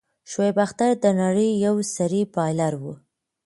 شعیب اختر د نړۍ یو سريع بالر وو.